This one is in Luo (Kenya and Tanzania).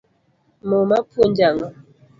Muma puonjo ango?